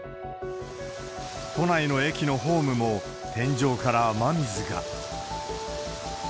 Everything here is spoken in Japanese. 都内の駅のホームも、天井から雨水が。